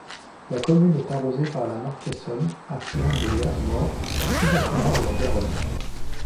La commune est arrosée par la Marcaissonne affluent de l'Hers-Mort, sous-affluent de la Garonne.